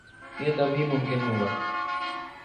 یہ تب ہی ممکن ہو گا۔